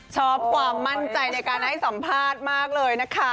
ชอบความมั่นใจในการให้สัมภาษณ์มากเลยนะคะ